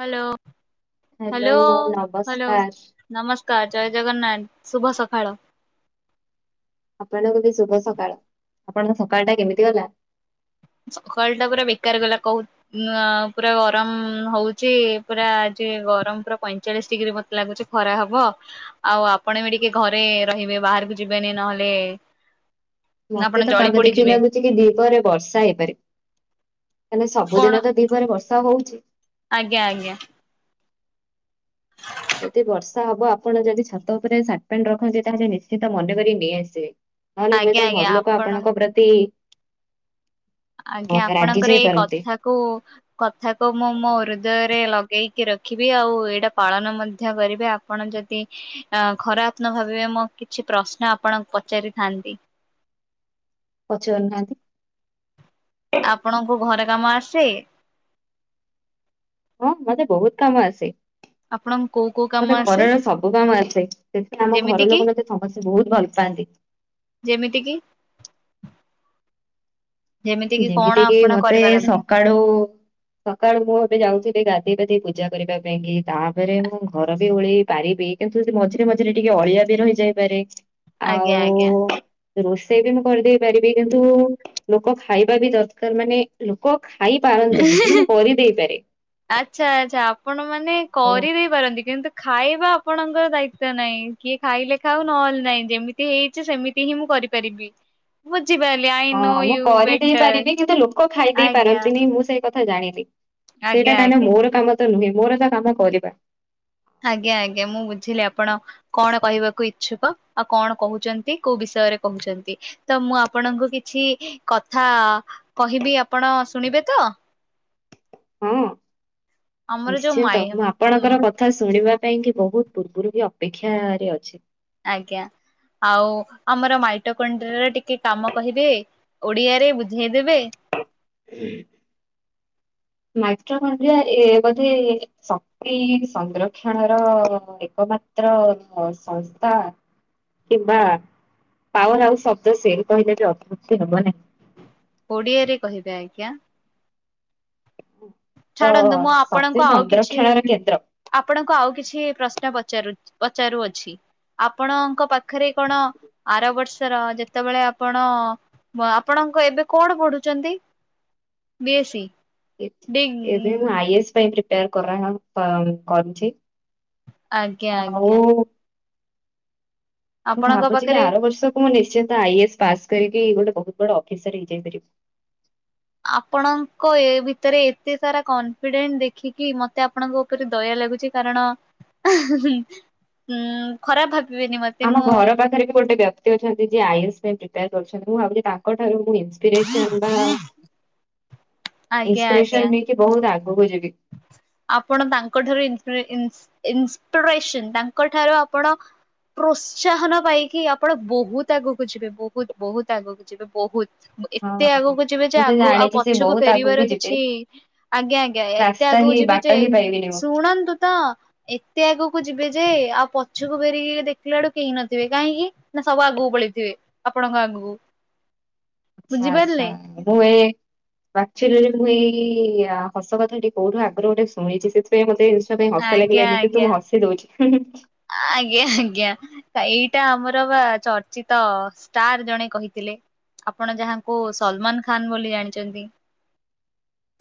Hello hello hello ନମସ୍କାର ଜୟ ଜଗନ୍ନାଥ ଶୁଭ ସକାଳ। ଆପଣଙ୍କୁ ବି ଶୁଭ ସକାଳ ଆପଣଙ୍କ ସକାଳ ଟା କେମିତି ଗଲା? ସକାଳଟା ପୁରା ବେକାର ଗଲା କହୁ ପୁରା ଗରମ ହଉଛି ପୁରା ଆଜି ଗରମ ପୁରା ପଇଁଚାଳିଶ ଡିଗ୍ରୀ ମତେ ଲାଗୁଛି ଖରା ହବ। ଆଉ ଆପଣ ବି ଟିକେ ଘରେ ରହିବେ ବାହାରକୁ ଯିବେନି ନହେଲେ ଆପଣ ମତେ ତ ଜଳି ପାଗ ଦେଖିକି ପୋଡିଯିବେ ଲାଗୁ କି ଦିପରେ ବର୍ଷା ହେଇପାରେ କାଣ କଣ ସବୁଦିନ ତ ଦିପରେ ବର୍ଷା ହଉଛି। ଆଜ୍ଞା ଆଜ୍ଞା! ଯଦି ବର୍ଷା ହବ ଆପଣ ଯଦି ଛାତ ଉପରେ ସାର୍ଟ ପ୍ୟାଣ୍ଟ ରଖନ୍ତି ତାହେଲେ ନିଶ୍ଚିିତ ମନେକ ନେଇଆସିବେ। ନହେଲେ ଆଜ୍ଞା ହୁଏତ ଆଜ୍ଞା ଘରଲୋକ ଆପଣ ଆପଣଙ୍କ ପ୍ରତି ହଁ ରାଗି ଯାଇପାରନ୍ତି। କୁ କଥାକୁ ମୁଁ ମୋ ହୃଦୟରେ ଲଗେଇକି ରଖିବି ଆଉ ଏଇଟା ପାଳନ ମଧ୍ୟ କରିବି ଆ ପଣ ଯଦି ଅ ଖରାପ ନ ଭାବିବେ ମୁଁ କିଛି ପ୍ରଶ୍ନ ଆପଣଙ୍କୁ ପଚାରିଥାନ୍ତି। ପଚାରୁନାହାନ୍ତି ଆପଣଙ୍କୁ ଘରେ କାମ ଆସେ? ହଁ ମତେ ବହୁତ କାମ ଆସେ। ଆପଣଙ୍କୁ କୋଉ କୋଉ କାମ ମତେ ଆସେ ଘରର ସବୁ କାମ ଆସେ ସେଥିାଇଁ ଆମ ଯେମିତି ଘର କିି ଲୋକ ମତେ ସମସ୍ତେ ବହୁତ ଭଲ ପାଆନ୍ତି। ଯେମିତି କି? କିି କଣ ଯେମିତି କିି ଆପଣ ମତେ କରିପାରନ୍ତି? ସକାଳୁ ସକାଳୁ ମୁଁ ଏବେ ଯାଉଛି ଟିକେ ଗାଧୋଇ ପାଧୋଇ ପୂଜା କରିବା ପାଇଁ କି ତାପରେ ମୁଁ ଘର ବି ଓଲେଇ ପାରିବି। କିନ୍ତୁ ମଝିରେ ମଝିରେ ଟିକେ ଅଳିଆ ବି ରହିଯାଇପାରେ। ଆଜ୍ଞା ଆଉ ଆଜ୍ଞା। ରୋଷେଇ ବି ମୁଁ କରିଦେଇ ପାରିବି କିନ୍ତୁ ଲୋକ ଖାଇବା ବି ଦରକାର ମାନେ ଲୋକ ଖାଇ ପାରନ୍ତିନି କିନ୍ତୁ ମୁଁ କରିଦେଇପାରେ। ଆଚ୍ଛା ଆଚ୍ଛା ଆପଣ ମାନେ ଆଉ କରି ଦେଇ ପାରନ୍ତି କିନ୍ତୁ ଖାଇବା ଆପଣଙ୍କର ଦାୟିତ୍ବ ନାହିଁ କିଏ ଖାଇଲେ ଖାଉ ନହେଲେ ନାହିଁ ଯେମିତି ହେଇ ଛି ସେମିତି ହିଁ ମୁଁ କରିପାରିବି। ବୁଝିପାରିଲି ଆ ହଁ ମୁଁ କରିଦେଇ ପାରିବି କିନ୍ତୁ ଲୋକ ଖାଇ ଦେଇ ଆଜ୍ଞା ପାରନ୍ତିନି ମୁଁ ସେଇ ଥା ଜାଣିଲି ସେଇଟା ଆଜ୍ଞା କାହିଁକି ନା ଆଜ୍ଞା। ମୋର କାମ ତ ନୁହେଁ ମୋର ତ କାମ କରିବା। ଆଜ୍ଞା ଆଜ୍ଞା ମୁଁ ବୁଝିଲି ଆପଣ କଣ କହିବାକୁ ଇଚ୍ଛୁକ ଆଉ କଣ କହୁଛନ୍ତି କୋଉ ବିଷୟରେ କହୁଛନ୍ତି? ତ ମୁଁ ଆପଣଙ୍କୁ କିଛି କଥା କହିବି ଆପଣ ଶୁଣିବେ ତ? ହଁ ଆମର ଯୋଉ ନିଶ୍ଚିନ୍ତ ମାଇ ମୁଁ ହୁଁ ଆପଣଙ୍କର କଥ କଥା ଶୁଣିବା ପାଇଁ କି ବହୁତ ପୂର୍ବରୁ ବି ଅପେକ୍ଷା ରେ ଅଛି। ଆଜ୍ଞା ଆଉ ଆମର ମାଇଟ କଣ୍ଡିଆର ଟିକେ କାମ କହିବେ? ଓଡିଆରେ ବୁଝେଇଦେବେ? ମାଇଟ୍ରୋକଣ୍ଡିଆ ଏ ବୋଧେ ସ ଏ ସଂରକ୍ଷଣର ଏକମାତ୍ର ସଂସ୍ଥା। କିମ୍ବା ପାୱାର ହାଉସ୍ ଶବ୍ଦ ସେ କହିଲେ ବି ଅତିବୃକ୍ତି ହବ ନାହିଁ। ଓଡିଆରେ କହିବେ ଆଜ୍ଞା। ତ ଛାଡ଼ନ୍ତୁ ମୁଁ ଶକ୍ତି ଆପଣଙ୍କୁ ଆଉ କିଛି ସଂରକ୍ଷଣର କେନ୍ଦ୍ର। ଆପଣଙ୍କୁ ଆଉ କିଛି ପ୍ରଶ୍ନ ପଚାରୁ ପଚାରୁଅଛି। ଆପଣଙ୍କ ପାଖରେ କଣ ଆର ବର୍ଷର ଯେତେବେଳେ ଆପଣ ଆପଣଙ୍କ ଏବେ କଣ ପଢୁଛନ୍ତି ବିଏସି? ଏ ଏବେ ମୁଁ ଆଇସ୍ ପାଇଁ ପ୍ରିପେୟାର କରା କରୁଛି। ଆଜ୍ଞା ଆଉ ଆଜ୍ଞା। ମୁଁ ଆପଣଙ୍କ ଭାବୁଛି କି ପାଖରେ ଆର ବର୍ଷ ମୁଁ ନିଶ୍ଚିନ୍ତ ଆଇଏସ୍ ପାସ୍ କରିକି ଗୋଟେ ବହୁତ ବଡ ଅଫିସର ହେଇଯାଇପାରିବି। ଆପଣଙ୍କ ଏ ଭିତରେ ଏତେ ସାରା କନଫିଡେଣ୍ଟ ଦେଖିକି ମତେ ଆପଣଙ୍କ ଙ୍କରେ ଦୟା ଲାଗୁଛି କାରଣ ଉଁ ଖରାପ ଭାବିବେନି ମ ଆମ ଘର ପାଖରେ ବି ଗୋଟେ ବ୍ୟକ୍ତି ଅଛନ୍ତି ଯିଏ ଆଇଏସ ପାଇଁ ପ୍ରିପେୟାର କରୁଛନ୍ତି ମୁଁ ଭାବୁଛି ତାଙ୍କଠାରୁ ମୁଁ ଇନ ପିରେସନ ବା ଆଜ୍ଞା ଆଜ୍ଞା ଇନ୍ସପିରେସନ ନେଇକି ବହୁତ ଆଗକୁ ଯିବି। ଆପଣ ତାଙ୍କ ଠାରୁ ଇମପ୍ରେ ଇନସ ଇନ୍ସପିରେସନ ତାଙ୍କଠାରୁ ଆପଣ ପ୍ରୋତ୍ସାହନ ପାଇକି ଆପଣ ବହୁତ ଆଗକୁ ଯିବେ ବହୁତ ବହୁତ ଆଗକୁ ଯିବେ ବହୁତ। ଏତେ ହଁ ଆଗକୁ ଯିବେ ଯେ ମୁଁ ତ ଆଗ ଆଉ ଜାଣିଛି ସେ ପଛକୁ ବହୁତ ଆଗକୁ ଫେରିବାର କିଛି ଆଜ୍ଞା ଆଜ୍ଞା ଏ ସ୍ଥାହି ବା ଏ ଶୁଣନ୍ତୁ ତ। ଏତେ ଆଗକୁ ଯିବେ ଯେ ଆଉ ପଛକୁ ଫେରିକି ଦେଖିଲା ବେଳକୁ କେହି ନଥିବେ, କାହିଁକି ନା ସବୁ ଆଗକୁ ପଳେଇ ଥିବେ ଆପଣଙ୍କ ଆଗକୁ। ଆଛା ଆଛା ବୁଝିପାରିଲେ ମୁଁ ଏ ଆକଚ୍ୟୁଲି ରେ ମୁଁ ଏଇ ହସ କଥାଟି କୋଉଠୁ ଆଗରୁ ଗୋଟେ ଶୁଣିଚି ସେ ପାଇଁ ମୋତେ ସେଇ ଜିନିଷ ପାଇଁ ହସ ଆଜ୍ଞା ଲାଗିଲାନି କିନ୍ତୁ ଆଜ୍ଞା ମୁଁ ହସି ଦଉଚି ହୁଁ ହୁଁ। ଆଜ୍ଞା ଆଜ୍ଞା। ଏଇଟା ଆମର ବା ଚର୍ଚ୍ଚିତ ଷ୍ଟାର ଜଣେ କହିଥିଲେ, ଆପଣ ଯାହା କୁ ସଲମାନ ଖାନ ବୋଲି ଜାଣିଚନ୍ତି।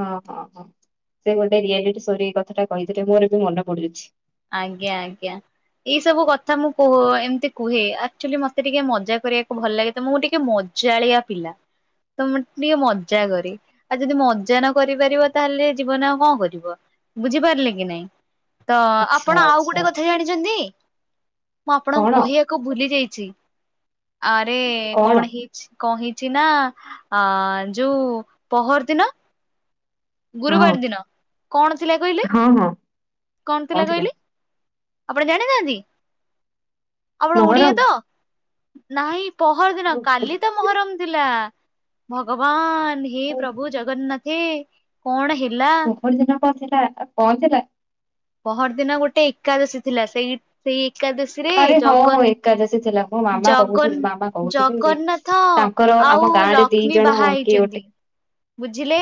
ହଁ ହଁ ହଁ ସେ ଗୋଟେ ରିଆଲିଟି ସୋରେ ଏଇ କଥାଟା କହିଥିଲେ ମୋର ବି ମନେ ପଡୁଛି। ଆଜ୍ଞା ଆଜ୍ଞା। ଏଇ ସବୁ କଥା ମୁଁ କୁହ ଏମିତି କୁହେ ଆକ୍ଚୁଆଲି ମତେ ଟିକେ ମଜା କରିବାକୁ ଭଲ ଲାଗେ ତ ମୁଁ ଟିକେ ମ ଜାଳିଆ ପିଲା ତ ମୁଁ ଟିକେ ମଜା କରେ। ଆଉ ଯଦି ମଜା ନ କରିପାରିବ ତାହେଲେ ଜୀବନରେ ଆଉ କଣ କରିବ? ବୁଝିପାରିଲେ କି ନାଇଁ। ତ ଆ ଆଚ୍ଛା ଆଚ୍ଛା ଜାଣିଚନ୍ତି ମୁଁ ଆପଣଙ୍କୁ କଣ କହିବାକୁ ଭୁଲି ଯାଇଚି ଆରେ କଣ ହେଇ କଣ ହେଇଚିନା ଅ ଯୋଉ ପହରଦିନ ହଁ ଗୁରୁବାର ଦିନ। କଣ ଥିଲା କହିଲେ? ହଁ ହଁ। କଣ ଥିଲା କହିଲେ, ଆପଣ ଜାଣିନାହାନ୍ତି? ଆପଣ ଓଡିଆ ତ? ମହରମ ନାହିଁ ପହରଦିନ କାଲି ତ [unintelligible] ଭଗବାନ ହେ ପ୍ରଭୁ ଜଗନ୍ନା ହେ କଣ ହେଲା। ପହରଦିନ କ ଥିଲା? କଣ ଥିଲା? ପହର ଦିନ ଗୋଟେ ଏକାଦଶୀ ଥିଲା। ସେଇ ସେଇ ଏକାଦଶୀ ସିରେ ଆରେ ହଁ ହଁ ଏକାଦଶୀ ଥିଲା ମୋ ଜଗର ମାମା କହୁଥିଲେ ଜଗନ୍ ମାମା କହୁଥିଲେ ଜଗନ୍ନାଥ ତାଙ୍କର ଆମ ଆଉ ଗାଁ ରେ ଦି ଲକ୍ଷ୍ମୀ ଜଣ ବାହା କିଏ ଗୋଟେ ହେଇଚନ୍ତି। ବୁଝିଲେ।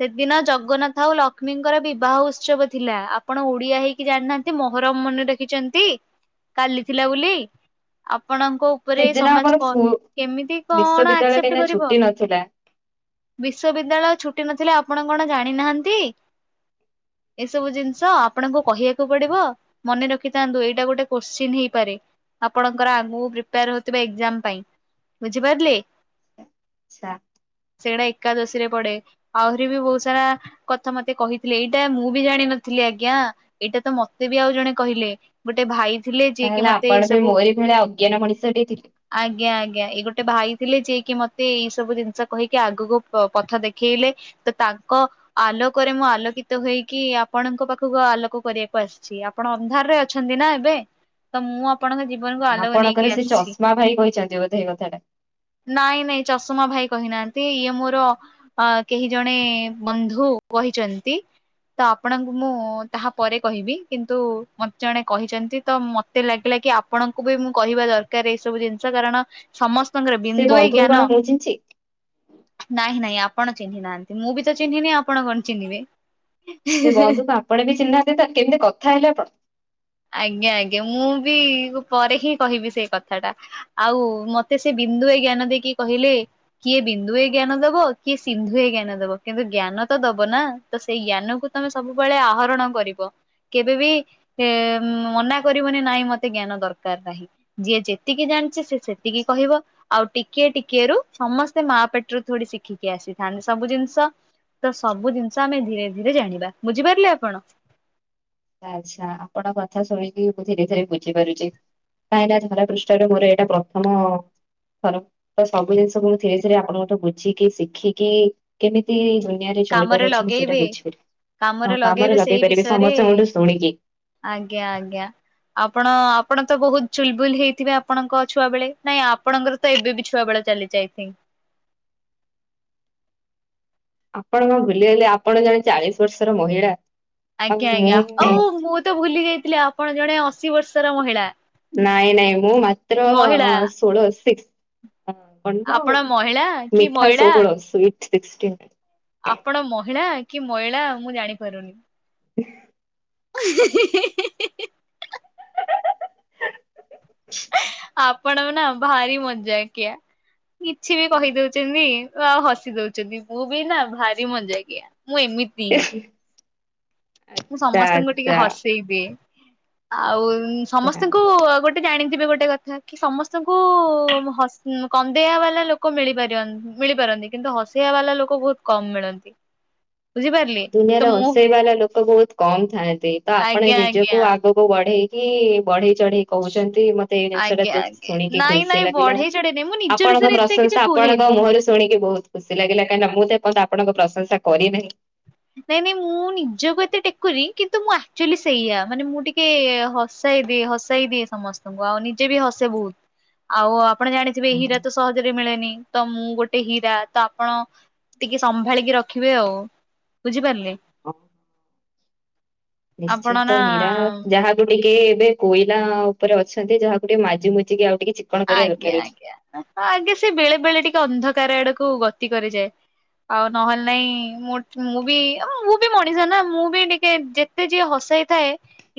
ସେଦିନ ଜଗନ୍ନାଥ ଆଉ ଲକ୍ଷ୍ମୀଙ୍କର ବିବାହ ଉତ୍ସବ ଥିଲା। ଆ ଆପଣ ଓଡିଆ ହେଇକି ଜାଣିନାହାନ୍ତି, ମହରମ ମନେ ରଖିଚନ୍ତି କାଲି ଥିଲା ବୋଲି। ଆପଣଙ୍କ ଉପରେ ସେଦିନ ଆମର ସମାଜ କ କେମିତି କଣ ବିଶ୍ଵବିଦ୍ୟାଳୟ ଆକ୍ସେପ୍ଟ କାହିଁକିନା କରିବ। ଛୁଟି ନଥିଲା ବିଶ୍ବିଦ୍ୟାଳୟ ଛୁଟି ନଥିଲା ଆପଣ କଣ ଜାଣିନାହାନ୍ତି? ଏସବୁ ଜି ସ ଆପଣଙ୍କୁ କହିବାକୁ ପଡିବ, ମନେ ରଖିଥାନ୍ତୁ ଏଇଟା ଗୋଟେ କୋଶ୍ଚିନ ହେଇପାରେ। ଆପଣଙ୍କର ଆଗକୁ ପ୍ରିପେୟାର ହଉଥିବା ଏକଯାମ ପାଇଁ, ବୁଝିପାରିଲେ। [unintelligible] ସେଇଟା ଏକାଦଶୀରେ ପଡେ। ଆହୁରି ବି ବହୁତ ସାରା କଥା ମତେ କହିଥିଲେ। ଏଇଟା ମୁଁ ବି ଜାଣିନ ଥିଲି ଆଜ୍ଞା। ଏଇଟା ତ ମତେ ବି ଆଉ ଜଣେ କହିଲେ। ଗୋଟେ ଭାଇ ଥିଲେ ଯିଏ କି ତାହେଲେ ମତେ ଏ ଆପଣ ବି ସବୁ ମୋରି ଭଳିଆ ଅଜ୍ଞାନ ମଣିଷ ଟେ ଥିଲେ। ଆଜ୍ଞା ଆଜ୍ଞା, ଏଇ ଗୋଟେ ଭାଇ ଥିଲେ ଯିଏ କିି ମତେ ଏଇ ସବୁ ଜିନିଷ କହିକି ଆଗକୁ ପ ପଥ ଦେଖେଇଲେ। ତ ତାଙ୍କ ଆଲୋକରେ ମୁଁ ଆଲୋକିତ ହେଇକି ଆ ଆପଣଙ୍କ ପାଖକୁ ଆଲୋକ କରିବାକୁ ଆସିଚି। ଆପଣ ଅନ୍ଧାରରେ ଅଛନ୍ତି ନା ଏବେ, ତ ମୁଁ ଆପଣଙ୍କ ଜି ଆପଣଙ୍କର ସେ ଚଷମା ଭାଇ କହିଛନ୍ତି ବୋଧେ ଏଇ କଥାଟା। ନାଇଁ ନାଇଁ ଚଷମା ଭାଇ କହିନାହାନ୍ତି, ଇଏ ମୋର ଅ କେହି ଜଣେ ବନ୍ଧୁ କହିଚନ୍ତି। ଆପଣଙ୍କୁ ମୁଁ ତାହା ପରେ କହିବି, କିନ୍ତୁ ମତେ ଜଣେ କହିଚନ୍ତି ତ ମ ତେ ଲାଗିଲା କି ଆପଣଙ୍କୁ ବି ମୁଁ କହିବା ଦରକାର ଏଇ ସବୁ ଜିନିଷ କାରଣ ସମ ଙ୍କର ସେ ବିନ୍ଦୁଏ ବନ୍ଧୁକୁ କଣ ଜ୍ଞାନ ମୁଁ ଚିହ୍ନିଛି ନାଇଁ ନାଇଁ ଆପଣ ଚିହ୍ନି ନାହାନ୍ତି, ମୁଁ ବି ତ ଚିହ୍ନିନି ଆପଣ କଣ ଚିହ୍ନିବେ। ସେ ବନ୍ଧୁକୁ ଆପଣ ବି ଚିହ୍ନହାନ୍ତି ତ କେମିତି କଥା ହେଲେ ତ? ଆଜ୍ଞା ଆଜ୍ଞା ମୁଁ ବି ପରେ ହିଁ କହିବି ସେଇ କଥା ଟା। ଆଉ ମତେ ସେ ବିନ୍ଦୁ ଏ ଜ୍ଞାନ ଦେଇକି କହିଲେ, କିଏ ବିନ୍ଦୁ ଏ ଜ୍ଞାନ ଦବ, କିଏ ସିନ୍ଧୁ ଜ୍ଞାନ ଦବ କିନ୍ତୁ ଜ୍ଞାନ ତ ଦବ ନା। ତ ସେଇ ଜ୍ଞାନକୁୁ ତମେ ସବୁବେଳେ ଆହରଣ କରିବ। କେବେ ବି [unintelligible] ମନା କରିବନି ନାଇଁ ମତେ ଜ୍ଞାନ ଦରକାର ନାହିଁ। ଯିଏ ଯେତିକି ଜାଣିଛି ସେ ସେତିକି କହିବ। ଆଉ ଟିକିଏ ଟିକିଏ ରୁ, ସମସ୍ତେ ମା ପେଟରୁ ଥଡି ଶିଖିକି ଆସିଥାନ୍ତି ସବୁ ଜିନିଷ। ତ ସବୁ ଜିନିଷ ଆମେ ଧୀରେ ଧୀରେ ଜାଣିବା, ବୁଝିପାରିଲେ ଆପଣ। ଆଚ୍ଛା ଆପଣଙ୍କ କଥା ଶୁଣିକି ମୁଁ ଧୀରେ ଧୀରେ ବୁଝିପାରୁଛି। କାହିଁକି ନା ଧରା ପୃଷ୍ଠରେ ମୋର ଏଇଟା ପ୍ରଥମ [unintelligible] ସବୁ ଜିନିଷକୁ ମୁ ଧୀରେ ଧୀରେ ଆପଣଙ୍କଠୁ ବୁଝିକି ଶିଖିକି କେମିତି ଦୁନିଆରେ କାମରେ ଚଳିବାର ଅଛି ମୁଁ ସେଇଟା ଲଗେଇବେ ବୁଝିପାରିବି। ହଁ ଲଗେଇବେ କାମରେ ସେଇ ଲଗେଇ ପାରିବି। ବିଷୟରେ ସମସ୍ତେ ଶୁବୁଠୁ ଶୁଣିକି। ଆଜ୍ଞା ଆଜ୍ଞା। ଆପଣ ଆପଣ ତ ବହୁତ ଚୁଲ୍ ବୁଲ୍ ହେଇଥିବେ ଆପଣଙ୍କ ଛୁଆ ବେଳେ। ନାଇଁ ଆପଣଙ୍କର ତ ଏବେ ବି ଛୁଆ ବେଳେ ଚାଲି ଅଇଥିଙ୍କ୍। ଆପଣ କଣ ଭୁଲିଗଲେ, ଆପଣ ଜଣେ ଚାଳିଶ ବର୍ଷର ମହିଳା? ଆଉ ଆଜ୍ଞା, ମୁଁ ଆଜ୍ଞା, ଆଉ ମୁଁ ତ ଭୁଲି ଯାଇଥିଲି ଆପଣ ଜଣେ ଅଶୀ ବର୍ଷର ମହିଳା। ନାଇଁ ନାଇଁ, ମୁଁ ମାତ୍ର ମହିଳା। ଷୋଳ ସିକସ୍। କଣ ତ ଆପଣ ମହିଳା କି ମିଠା ମଇଳା ଷୋହଳ ସ୍ଵିଟ୍ ସିକ୍ସଟିନ୍। ଆପଣ ମହିଳା କି ମଇଳା ମୁଁ ଜାଣି ପାରୁନି? [inaudible] [unintelligible] [unintelligible] ଆପଣ ନା ଭାରି ମଜାକିଆ! କିଛି ବି କହି ଦଉଚନ୍ତି। ଆଉ ହସି ଦଉଛନ୍ତି। ମୁଁ ବି ନା ଭାରି ମଜା କିଆ। ମୁଁ ଏମିତ୍ [unintelligible] ମୁଁ ସମସ୍ତଙ୍କୁ ଟିକେ ଆଚ୍ଛା ହସେଇ ଦିଏ। ଆଉଁ ଆଚ୍ଛା। ସମସ୍ତଙ୍କୁ ଗୋଟ୍ ଜାଣିଥିବେ ଗୋଟେ କଥା କି, ସମସ୍ତଙ୍କୁ ହସ୍ କନ୍ଦେଇ ବାଲା ଲୋକ୍ କୁ ମିଳିପା ମିଳିପାରନ୍ତି। କିନ୍ତୁ ହସେଇବା ବାଲା ଲୋକ ବହୁତ କମ୍ ମିଳନ୍ତି। [inaudible] ବୁଝିପାରିଲେ ତ ଦୁନିଆର ମୁଁ ହସେଇବାଲା ଲୋକ ବହୁତ କମ୍ ଥାଆନ୍ତି। ତ ଆପଣ ଆଜ୍ଞା ଆଜ୍ଞା ନିଜକୁ ଆଗ୍ ଲୋକ ବଢେଇକି, ବଢେଇ ଚଢେଇି କହୁଛନ୍ତି ମତେ ଏଇ ଜିନିଷ ଆଜ୍ଞା ଟା ଆଜ୍ଞା ଶୁଣିକି ନାଇଁ ଖୁସି ନାଇଁ ଲାଗିଲା। ବଢେଇ ଚଢେଇ ନାଇଁ ମୁଁ ନିଜ ଆପଣଙ୍କ ବିଷୟରେ ଏତେ କିଛି ପ୍ରଶଂସା ଆପଣଙ୍କ କୁହେନି। ମୁହଁରୁ ଶୁ ଶୁଣିକି ବହୁତ ଖୁସି ଲାଗାଲା। କାହିଁକିନା ମୁଁ ତ ଏପଯନ୍ତ ଆପଣଙ୍କ ପ୍ରଶଂସା କରି ନାହିଁ। ନାଇଁ, ନାଇ ମୁଁ ନିଜକୁ ଏତେ ଟେକୁନି? କିନ୍ତୁ ମୁଁ ଆକ୍ଚୁଆଲି ସେୟା, ମାନେ ମୁଁ ଟିକେ-ଏ ହସ୍ ସେଇ ଦିଏ, ହସେଇ ଦିଏ ସମସ୍ତଙ୍କୁ। ଆଉ ନିଜେ ବି ହସେ ବହୁତ! ଆଉ ଆପଣ ଜାଣିଥିବେ ହିରା ତ ସେ ସହଜରେ ମିଳେନି ତ, ମୁଁ ଗୋଟେ ହୀରା ତ ଆପଣ ଟିକେ ସମ୍ଭାଳିକି ରଖିବେ ଆଉ। ବୁଝିପାରିଲେ? ହଁ, ଆପଣ ନିଶ୍ଚିତ ନା ହୀରା ଯାହା ଯଉଟା କି ଏବେ କୋଇଲା ଉପରେ ଅଛନ୍ତି, ଯାହାକୁ ଟିକେ ମାଜି ମୁଜିକି ଆଉ ଟିକେ ଚିକ୍ ଆଜ୍ଞା, ଆଜ୍ଞା, ଆଜ୍ଞା ସେ ବେଳେ ବେଳେ ଟିକେ ଅନ୍ଧକାର ଆଡକୁ ଗତି କରିଯାଏ। ଆଉ ନହେଲେ ନାଇଁ, ମୁଁ ବି, ମୁଁ ବି ମଣିଷ ନା ମୁଁ ବି ଟିକେ ଯେତ୍ ତେ ଯିଏ ହସେଇଥାଏ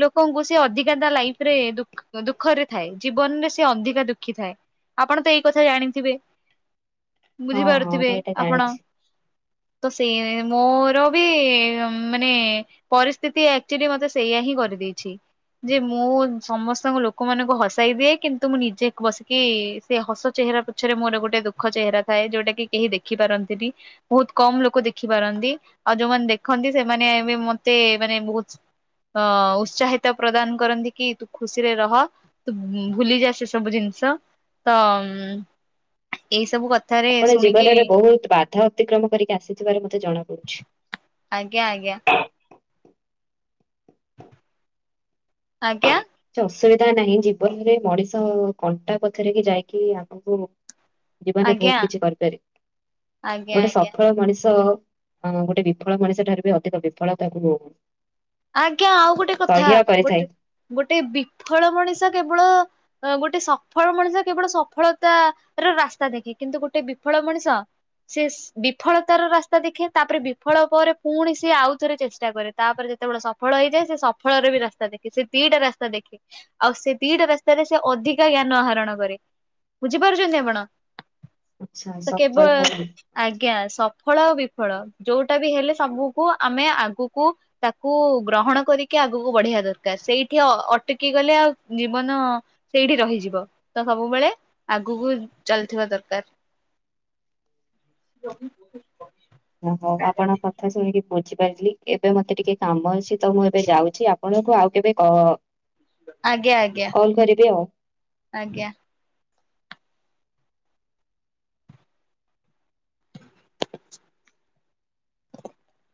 ଲୋକଙ୍କୁ ସେ ଅଧିକା ତା ଲାଇଫ୍ ରେ ଦୁଃ ଦୁଃଖରେ ଥାଏ। ଜୀବନ ରେ ସେ ଅଧିକା ଦୁଃ ଦେଖିଥାଏ ଆପଣ ତ ଏଇ କଥା ଜାଣିଥିବେ। ହଁ ହଁ ବୁଝିପାରୁଥିବେ ମୁଁ ଏଇଟା ଆପଣ? ଜାଣିଛି। ତ ସେ ମୋର ବି-ଇ ମାନେ ପରିସ୍ଥିତି ଆକ୍ଚୁଆଲି ମତେ ସେଇଆ ହିଁ କରିଦେଇଛି। ଯେ ମୁଁ ସମସ୍ତଙ୍କ ଲୋକମାନଙ୍କୁ ହସାଇ ଦିଏ, କିନ୍ତୁ ମୁଁ ନିଜେ ବସିକି ସେ ହସ ଚେହେରା ପଛରେ ମୋର ଗୋଟେ ଦୁଃଖ ଚେହେରା ଥାଏ। ଯୋଉଟା କି କେହି ଦେଖି ପାରନ୍ତିନି। ବହୁତ କମ୍ ଲୋକ ଦେଖିପାରନ୍ତି। ଆଉ ଯୋଉମାନେ ଦେଖନ୍ତି, ସେମାନେ ଏବେ ମତେ ମାନେ ବହୁତ୍ ଅଁ ଉତ୍ସାହିତ ପ୍ରଦାନ କରନ୍ତି କି ତୁ ଖୁସିରେ ରହ। ତୁ ଭୁଲିଯା ସେ ସବୁ ଜିନିଷ ତଁ ଅମ୍ ଏଇ ସବୁ କଥାରେ ଆପଣ ଜୀବନରେ ବହୁତ ବାଧା ଅତିକ୍ରମ କରିକି ଆସିଥିବାର ମତେ ଜଣା ପଡୁଛି। ଆଜ୍ଞା, ଆଜ୍ଞା। ଆଜ୍ଞା। କିଛି ଅସୁବିଧା ନାହିଁ ଜୀବନରେ ମଣିଷ କଣ୍ଟା ପଛରେ କି ଯାଇକି ଆଗକୁ ଜୀବନରେ ଆଜ୍ଞା। ବହୁତ କିଛି କରିପାରିବ ଆଜ୍ଞା ଗୋଟେ ଆଜ୍ଞା ସଫଳ ମଣିଷ ହଁ ଗୋଟେ ବିଫଳ ମଣିଷ ଠାରୁ ବି ଅଧିକ ବିଫଳତାକୁ ଆଜ୍ଞା ଆଉ ଗୋଟେ କଥା କରିଥାଏ ଗୋଟେ ଗୋଟେ ବିଫଳ ମଣିଷ କେବଳ ଅ ଗୋଟେ ସଫଳ ମଣିଷ କେବଳ ସଫଳତା ର ରାସ୍ତା ଦେଖେ କିନ୍ତୁ ଗୋଟେ ବିଫଳ ମଣିଷ ସେସ୍ ବିଫଳତାର ରାସ୍ତା ଦେଖେ ତାପରେ ବିଫଳ ପରେ ପୁଣି ସିଏ ଆଉଥରେ ଚେଷ୍ଟା କରେ ତାପରେ କେତେବେଳେ ସଫଳ ହେଇଯାଏ ସେ ସଫଳରେ ବି ରାସ୍ତା ଦେଖେ ସେ ଦିଟା ରାସ୍ତା ଦେଖେ। ଆଉ ସେ ଦିଟା ରାସ୍ତାରେ ସେ ଅଧିକା ଜ୍ଞାନ ଆହରଣ କରେ ବୁଝିପାରୁଛନ୍ତି ଆପଣ। ଆଚ୍ଛା ତ ସଫଳ କେବଳ ଆଚ୍ଛା, ଆଜ୍ଞା ସଫଳ ଆଉ ବିଫଳ ଯୋଉଟା ବି ହେଲେ ସବୁକୁ ଆମେ ଆଗକୁ ତାକୁ ଗ୍ରହଣ କରିକି ଆଗକୁ ବଢେଇବା ଦରକାର ସେଇଠି ଅ ଅଟକି ଗଲେ ଆଉ ଜୀବନ ସେଇଠି ରହିଯିବ ତ ସବୁବେଳେ ଆଗକୁ ଚାଲୁଥିବା ଦରକାର। [inaudible] [unintelligible] ଓହଉ ଆପଣତ କଥା ଶୁଣିକି ବୁଝିପାରିଲି ଏବେ ମତେ ଟିକେ କାମ ଅଛି ତ ମୁଁ ଏବେ ଯାଉଛି ଆପଣଙ୍କୁ ଆଉ କେବେ କ ଆଜ୍ଞା ଆଜ୍ଞା କଲ୍ କରିବି ଆଉ ଆଜ୍ଞା। [unintelligible]